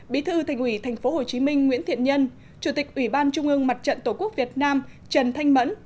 bí thư thành ủy tp hcm nguyễn thiện nhân chủ tịch ủy ban trung ương mặt trận tổ quốc việt nam trần thanh mẫn